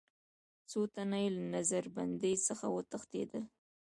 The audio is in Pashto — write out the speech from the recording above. څو تنه یې له نظر بندۍ څخه وتښتېدل.